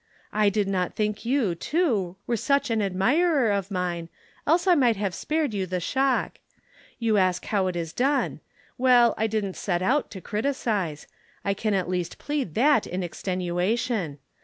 "I did not think you, too, were such an admirer of mine, else I might have spared you the shock. You ask how it is done. Well, I didn't set out to criticise. I can at least plead that in extenuation.